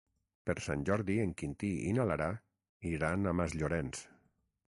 Per Sant Jordi en Quintí i na Lara iran a Masllorenç.